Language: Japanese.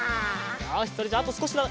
よしそれじゃああとすこしだ。